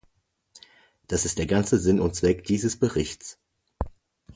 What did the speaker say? Das ist der ganze Sinn und Zweck dieses Berichts.